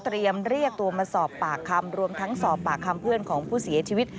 เรียกตัวมาสอบปากคำรวมทั้งสอบปากคำเพื่อนของผู้เสียชีวิต